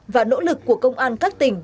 và nỗ lực của công an các tỉnh